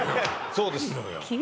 そうですのよ